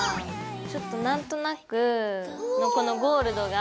ちょっとなんとなくこのゴールドが。